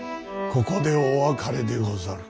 ここでお別れでござる。